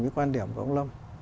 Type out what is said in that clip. với quan điểm của ông lâm